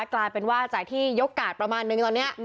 กลายเป็นว่าจากที่ยกกาดประมาณนึงตอนนี้